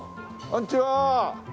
こんにちは！